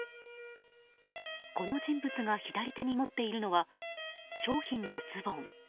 この人物が左手に持っているのは商品のズボン。